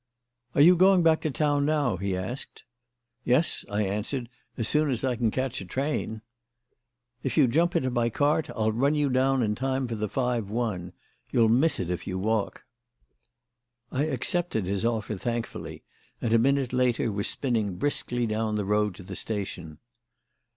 "Are you going back to town now?" he asked. "Yes," I answered; "as soon as I can catch a train." "If you jump into my cart I'll run you down in time for the five one. You'll miss it if you walk." I accepted his offer thankfully, and a minute later was spinning briskly down the road to the station.